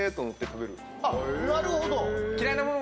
なるほど！